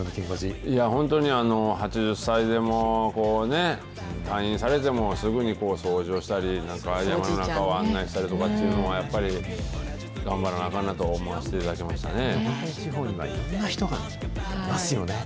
いや本当に、８０歳でもこうね、退院されても、すぐに掃除をしたり、案内したりとかというのは、やっぱり、頑張らなあかんなと思わせていただきましたね。